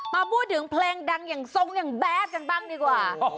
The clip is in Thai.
มาพูดถึงเพลงดังอย่างทรงอย่างแบดกันบ้างดีกว่า